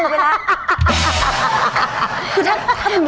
ถ้าเป็นน่ารับตาเตะได้เข้าไปแล้ว